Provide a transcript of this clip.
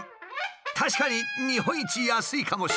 確かに日本一安いかもしれない。